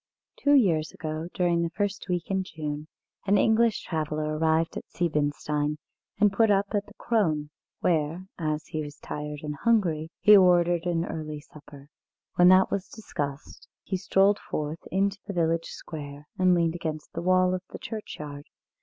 Two years ago, during the first week in June, an English traveller arrived at Siebenstein and put up at the "Krone," where, as he was tired and hungry, he ordered an early supper. When that was discussed, he strolled forth into the village square, and leaned against the wall of the churchyard.